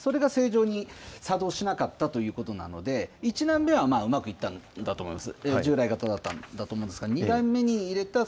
それが正常に作動しなかったということなので、１段目はうまくいったんだと思います。